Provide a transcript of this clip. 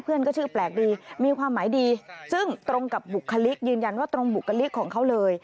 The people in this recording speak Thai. เพื่อนก็ชื่อแปลกดีมีความหมายดีซึ่งตรงกับบุคลิกยืนยันว่าตรงบุคลิกของเขาเลย